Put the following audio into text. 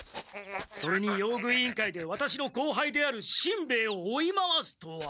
それに用具委員会でワタシの後輩であるしんべヱを追い回すとは！